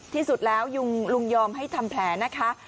ที่สุดแล้วลุงยอมให้ทำแผลนะคะ